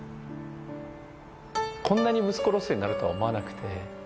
こんなに息子ロスになるとは思わなくて。